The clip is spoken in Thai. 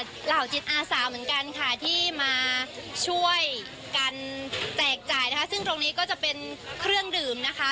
เหล่าจิตอาสาเหมือนกันค่ะที่มาช่วยกันแจกจ่ายนะคะซึ่งตรงนี้ก็จะเป็นเครื่องดื่มนะคะ